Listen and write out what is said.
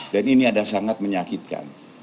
dan ini adalah sangat menyakitkan